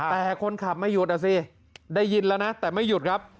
แต่คนขับไม่หยุดอ่ะสิได้ยินแล้วนะแต่ไม่หยุดครับ